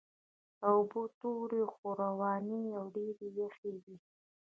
اوبه تورې خو روانې او ډېرې یخې وې.